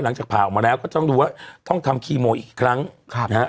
หลังจากผ่าออกมาแล้วก็ต้องดูว่าต้องทำคีโมอีกครั้งครับนะฮะ